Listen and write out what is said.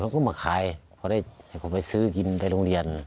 ก็มาขายพอได้ให้ผมไปซื้อกินไปโรงเรียน